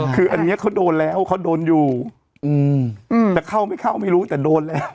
คืออันนี้เขาโดนแล้วเขาโดนอยู่แต่เข้าไม่เข้าไม่รู้แต่โดนแล้ว